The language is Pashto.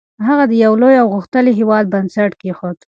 هغه د یو لوی او غښتلي هېواد بنسټ کېښود.